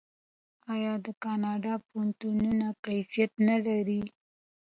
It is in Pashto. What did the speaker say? آیا د کاناډا پوهنتونونه کیفیت نلري؟